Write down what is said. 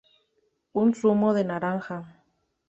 Un zumo de naranja.